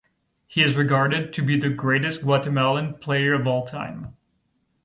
He is regarded to be the greatest Guatemalan player of all time.